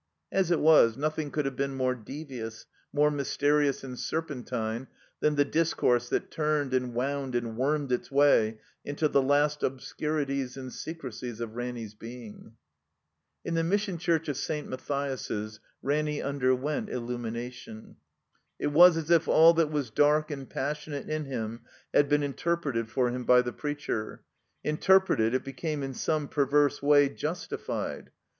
As it was, nothing could have been more devious, more m}rsterious and serpentine than the discourse that turned and wound and wormed its way into the last obscurities and se crecies of Ranny's being. In the Mission Church of St. Matthias's Ranny un derwent illiunination. It was as if all that was dark and passionate in him had been interpreted for him by the preacher. Interpreted, it became in some perverse way justified.